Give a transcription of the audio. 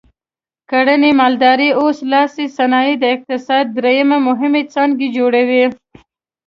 کرنې، مالدارۍ او لاسي صنایعو د اقتصاد درې مهمې څانګې جوړولې.